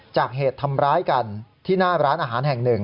จากเหตุทำร้ายกันที่หน้าร้านอาหารแห่งหนึ่ง